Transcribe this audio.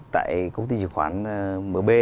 tại công ty chứng khoán mb